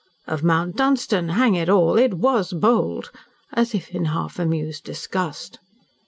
"Of Mount Dunstan. Hang it all, it WAS bold!" As if in half amused disgust.